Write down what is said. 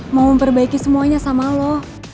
mau memperbaiki semuanya sama lo